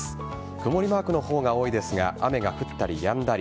曇りマークの方が多いですが雨が降ったりやんだり。